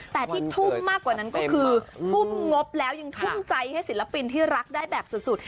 แต่ที่ทุ่มมากกว่านั้นก็คือทุ่มงบแล้วยังทุ่มใจให้ศิลปินที่รักได้แบบสุด